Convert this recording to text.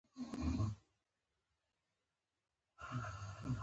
په افغانستان کې د رسوب ډېرې طبیعي منابع شته دي.